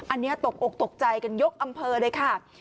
อันนี้ตกอกตกใจกันยกอำเภอเลยค่ะ